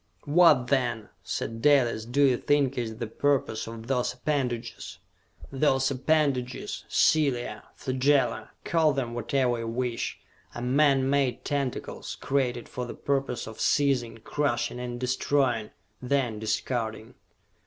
"What, then," said Dalis, "do you think is the purpose of those appendages?" "Those appendages, cilia, flagella, call them whatever you wish, are man made tentacles, created for the purpose of seizing, crushing and destroying then discarding...."